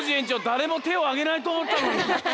だれもてをあげないとおもったのに。